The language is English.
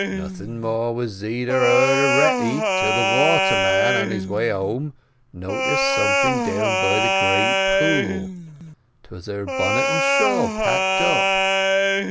Nothing more was zeed or heard o' Retty till the waterman, on his way home, noticed something by the Great Pool; 'twas her bonnet and shawl packed up.